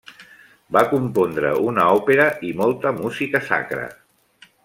Va compondre una òpera i molta música sacra.